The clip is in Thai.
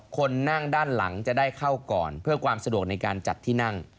คนนั่งด้านหลังจะได้เข้าก่อนเพื่อความสะดวกในการจัดที่นั่ง